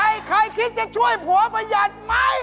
ใครคิดจะช่วยผัวประหยัดไหม